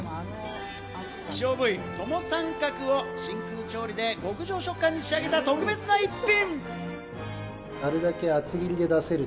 希少部位、トモサンカクを真空調理で極上食感に仕上げた特別な一品。